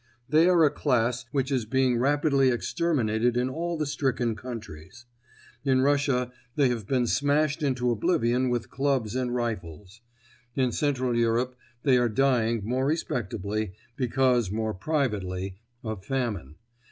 They are a class which is being rapidly exterminated in all the stricken countries. In Russia they have been smashed into oblivion with clubs and rifles; in Central Europe they are dying more respectably, because more privately, of famine.